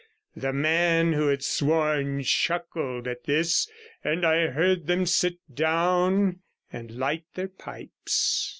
The man who had sworn chuckled at this, and I heard them sit down and light their pipes.